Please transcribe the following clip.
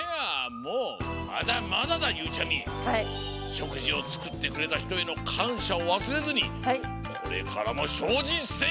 しょくじをつくってくれたひとへのかんしゃをわすれずにこれからもしょうじんせい！